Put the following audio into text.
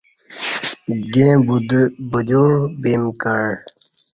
دیں بدیوع بیم کع